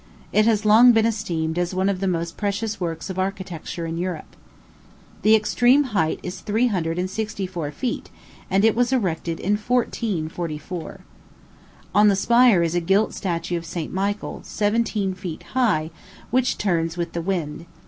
It has long been esteemed as one of the most precious works of architecture in Europe. The extreme height is three hundred and sixty four feet, and it was erected in 1444. On the spire is a gilt statue of St. Michael, seventeen feet high, which turns with the wind.